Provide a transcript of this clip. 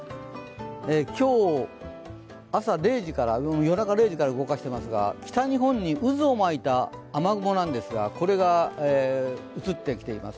今日、夜中０時から動かしていますが北日本に渦を巻いた雨雲、これが映ってきています。